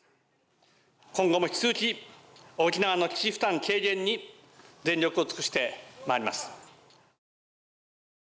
今後も引き続き沖縄の基地負担軽減に全力を尽くしてまいります。